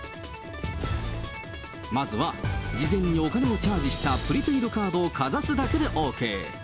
まずは事前にお金をチャージしたプリペイドカードをかざすだけでＯＫ。